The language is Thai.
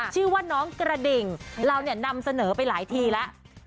ชื่อว่าน้องกระดิ่งเราเนี่ยนำเสนอไปหลายทีแล้ว